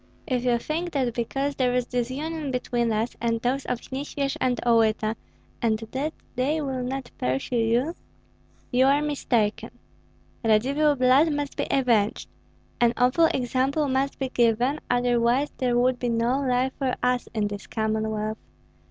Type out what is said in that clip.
If you think that because there is disunion between us and those of Nyesvyej and Olyta, and that they will not pursue you, you are mistaken. Radzivill blood must be avenged, an awful example must be given, otherwise there would be no life for us in this Commonwealth.